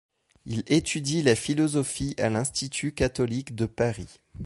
Il étudie la philosophie à l'Institut catholique de Paris.